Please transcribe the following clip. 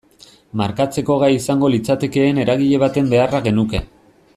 Markatzeko gai izango litzatekeen eragile baten beharra genuke.